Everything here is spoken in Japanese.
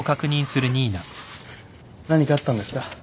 何かあったんですか？